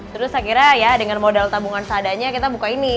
terus akhirnya ya dengan modal tabungan seadanya kita buka ini